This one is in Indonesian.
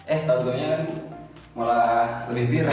eh tautannya kan mulai lebih viral